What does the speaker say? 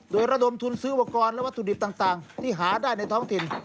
โดยระดมทุนซื้ออุปกรณ์และวัตถุดิบต่างที่หาได้ในท้องถิ่น